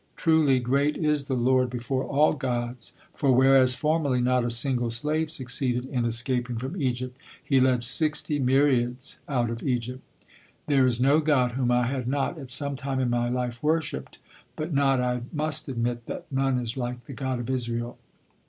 Truly, great is the Lord before all gods, for whereas formerly not a single slave succeeded in escaping from Egypt, He led sixty myriads out of Egypt. There is no god whom I had not, at some time in my life, worshipped, but not I must admit that none is like the God of Israel.